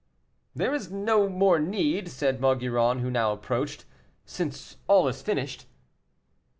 "There is no more need," said Maugiron, who now approached, "since all is finished."